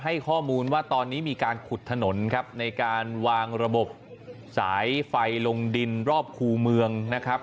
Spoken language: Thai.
ให้ข้อมูลว่าตอนนี้มีการขุดถนนครับในการวางระบบสายไฟลงดินรอบคู่เมืองนะครับ